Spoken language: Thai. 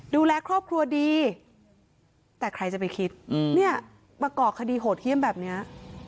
ดูแลครอบครัวดีแต่ใครจะไปคิดเนี่ยมาก่อคดีโหดเยี่ยมแบบนี้